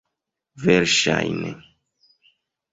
verŝajne